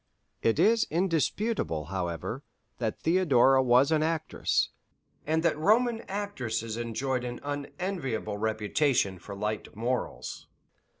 It is indisputable, however, that Theodora was an actress, and that Roman actresses enjoyed an unenviable reputation for light morals.